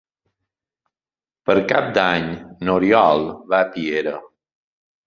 Per Cap d'Any n'Oriol va a Piera.